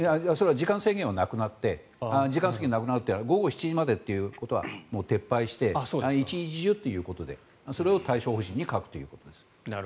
時間制限はなくなって時間制限はなくなるというのは午後７時までということは撤廃して、１日中ということでそれを対処方針に書くということです。